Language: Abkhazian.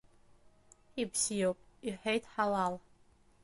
Ибзиоуп, — иҳәеит Ҳалал.